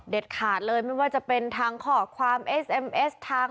ขอบคุณครับขอบคุณครับ